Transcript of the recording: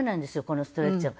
このストレッチャー。